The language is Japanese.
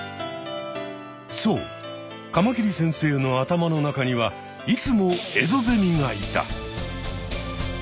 そうカマキリ先生の頭の中にはいつもエゾゼミがいた。